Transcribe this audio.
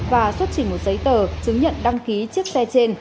và xuất trình một giấy tờ chứng nhận đăng ký chiếc xe trên